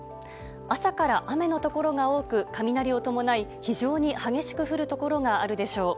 朝から雨のところが多く雷を伴い非常に激しく降るところがあるでしょう。